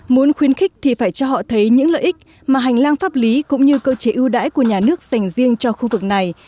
muốn khuyến khích thì phải cho họ thấy những lợi ích mà hành lang pháp lý cũng như cơ chế ưu đãi của nhà nước dành riêng cho khu vực này